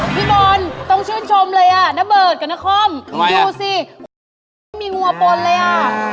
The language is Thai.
พี่บอลต้องชื่นชมเลยนเบิร์ตกับนะคอมดูสิมีหัวปนเลย